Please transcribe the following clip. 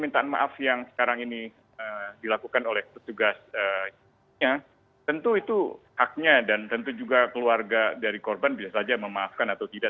tentu itu haknya dan tentu juga keluarga dari korban bisa saja memaafkan atau tidak